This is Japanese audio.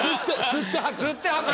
吸って吐く。